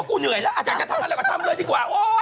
กูเหนื่อยแล้วอาจารย์จะทำอะไรก็ทำเลยดีกว่า